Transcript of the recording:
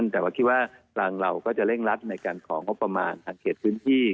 แต่ว่าคิดว่าทางเราก็จะเร่งรัดในการของงบประมาณทางเขตพื้นที่